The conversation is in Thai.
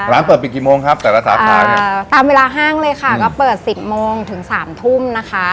ร้านเปิดปิดกี่โมงครับแต่ละสาขาเนี่ยตามเวลาห้างเลยค่ะก็เปิดสิบโมงถึงสามทุ่มนะคะ